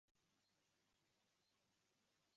Qarasam, tizzaga qo’yib chalinadigan